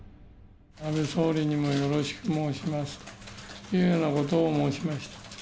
安倍総理にもよろしく申しますというようなことを申しました。